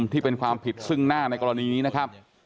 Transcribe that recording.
ที่เป็นความผิดซึ่งหน้าในกรณีนี้นะครับ